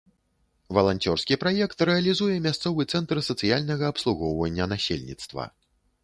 Валанцёрскі праект рэалізуе мясцовы цэнтр сацыяльнага абслугоўвання насельніцтва.